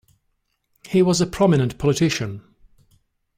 He was a prominent politician.